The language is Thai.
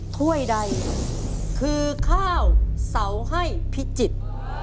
ถ้วยใดคือข้าวเสาให้พิจิตร